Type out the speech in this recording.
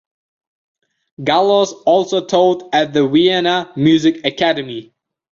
Gallos also taught at the Vienna Music Academy.